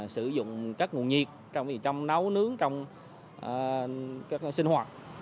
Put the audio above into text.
sử dụng các nguồn nhiệt trong việc nấu nướng trong các sinh hoạt